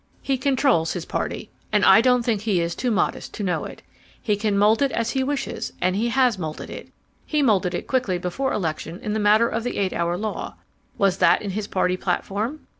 He controls his party, and I don't think he is too modest to know it. He can mould it as he wishes and he has moulded it. He moulded it quickly before election in the matter of the eight hour law. Was that in his party platform?